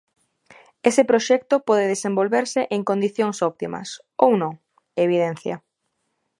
"Ese proxecto pode desenvolverse en condicións óptimas" ou non, evidencia.